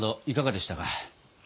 いかがでしたか？